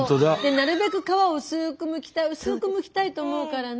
なるべく皮を薄くむきたい薄くむきたいと思うからね。